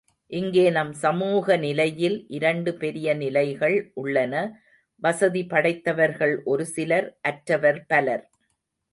இங்கே நம் சமூக நிலையில் இரண்டு பெரிய நிலைகள் உள்ளன வசதி படைத்தவர்கள் ஒருசிலர் அற்றவர் பலர்.